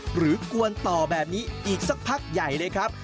กวนต่อแบบนี้อีกสักพักใหญ่เลยครับ